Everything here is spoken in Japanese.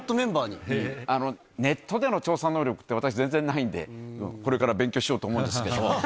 ネットでの調査能力って、私、全然ないんで、これから勉強しようと思うんですけど。